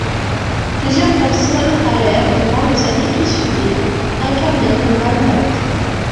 Plusieurs personnes allèrent, durant les années qui suivirent, incarner le Man-Bat.